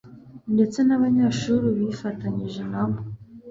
ndetse n'abanyashuru bifatanyije na bo